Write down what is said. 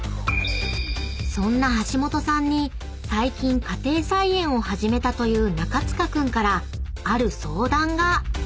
［そんな橋本さんに最近家庭菜園を始めたという中務君からある相談が］